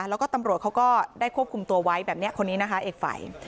แล้วก็ตำรวจเขาก็ได้ควบคุมตัวไว้แบบนี้คนนี้นะคะเอกฝัย